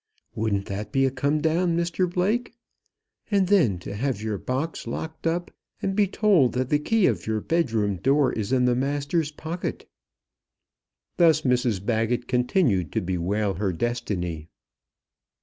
Wouldn't that be a come down, Mr Blake? And then to have your box locked up, and be told that the key of your bedroom door is in the master's pocket." Thus Mrs Baggett continued to bewail her destiny.